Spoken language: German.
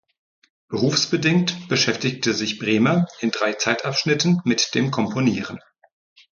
Berufsbedingt beschäftigte sich Brehmer in drei Zeitabschnitten mit dem Komponieren.